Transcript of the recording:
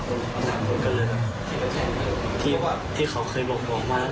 จึงเผยแพร่คลิปนี้ออกมา